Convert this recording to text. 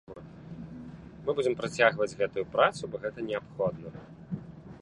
Мы будзем працягваць гэтую працу, бо гэта неабходна.